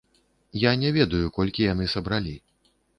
Я не ведаю, колькі яны сабралі.